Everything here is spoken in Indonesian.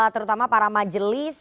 terutama para majelis